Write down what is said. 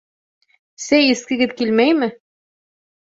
Сәй эскегеҙ килмәйме?